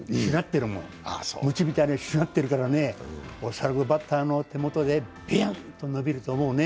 むちみたいにしなってるからね、おそらくバッターの手元でビュンと伸びると思うね。